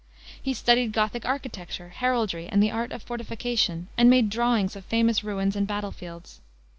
He studied Gothic architecture, heraldry, and the art of fortification, and made drawings of famous ruins and battle fields.